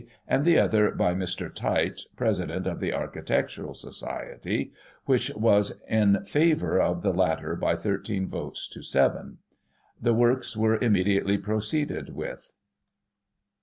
and the other by Mr. Tite, President of the Architectural Society, which was in favour of the latter by 13 votes to 7. The works were immediately proceeded with.